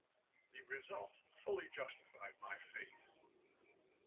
The results fully justified my faith.